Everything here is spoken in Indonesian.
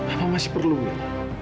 apa masih perlu mil